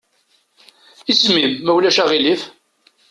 Isem-im ma ulac aɣilif?